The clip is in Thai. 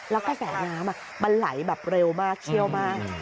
แล้วกระแสน้ำมันไหลแบบเร็วมากเชี่ยวมาก